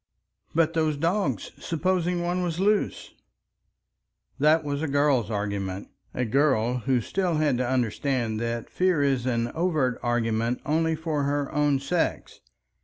"But those dogs! Supposing one was loose!" That was a girl's argument, a girl who still had to understand that fear is an overt argument only for her own sex.